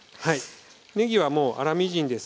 ねぎはもう粗みじんですね。